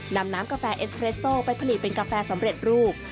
นำน้ำกาแฟเอสเรสโต้ไปผลิตเป็นกาแฟสำเร็จรูป